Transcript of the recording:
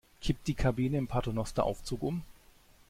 Kippt die Kabine im Paternosteraufzug um?